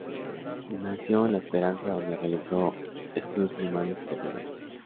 Nació en La Esperanza, donde realizó sus estudios primarios y secundarios.